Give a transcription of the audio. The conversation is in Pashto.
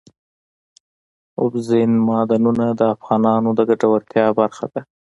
اوبزین معدنونه د افغانانو د ګټورتیا برخه ده.